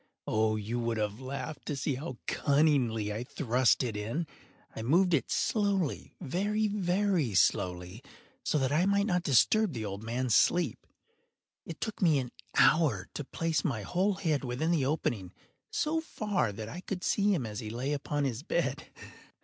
Oh, you would have laughed to see how cunningly I thrust it in! I moved it slowly—very, very slowly, so that I might not disturb the old man’s sleep. It took me an hour to place my whole head within the opening so far that I could see him as he lay upon his bed.